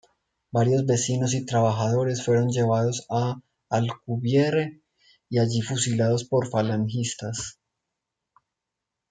Varios vecinos y trabajadores fueron llevados a Alcubierre y allí fusilados por falangistas.